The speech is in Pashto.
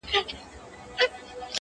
بله ډله وايي سخت فهم دی